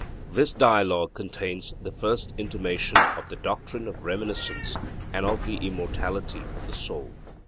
This Dialogue contains the first intimation of the doctrine of reminiscence and of the immortality of the soul.